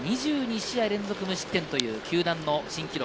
プロ初登板から２２試合連続無失点という球団の新記録。